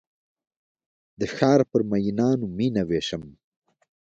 د ښارپر میینانو میینه ویشم